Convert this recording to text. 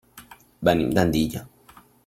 Venim d'Andilla.